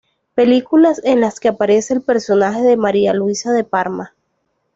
Películas en las que aparece el personaje de María Luisa de Parma.